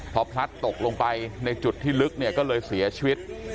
พอพลัดตกลงไปในจุดที่ลึกเนี่ยก็เลยเสียชีวิต